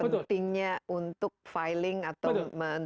pentingnya untuk filing atau